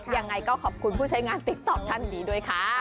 ยังไงก็ขอบคุณผู้ใช้งานติ๊กต๊อกท่านนี้ด้วยค่ะ